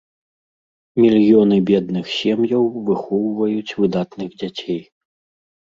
Мільёны бедных сем'яў выхоўваюць выдатных дзяцей.